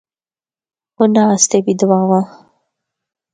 انہاں اسطے بھی دعاواں۔